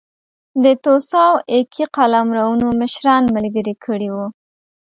د توسا او اکي قلمرونو مشران ملګري کړي وو.